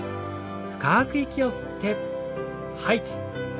深く息を吸って吐いて。